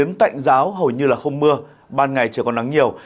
lạnh giáo hầu như không mưa ban ngày chưa có nắng nhiều